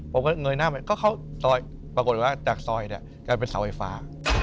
ผมก็เงยหน้าไปก็เข้าซอยปรากฏว่าจากซอยเนี่ยกลายเป็นเสาไฟฟ้า